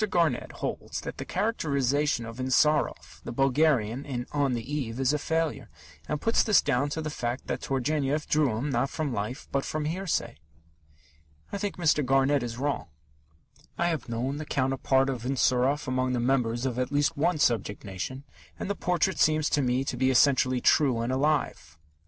Garnett holds that the characterization of Insarov, the Bulgarian, in On the Eve, is a failure, and puts this down to the fact that Turgenev drew him, not from life, but from hearsay. I think Mr. Garnett is wrong. I have known the counterpart of Insarov among the members of at least one subject nation, and the portrait seems to me to be essentially true and alive.